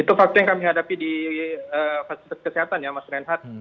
itu fakta yang kami hadapi di fasilitas kesehatan ya mas renhat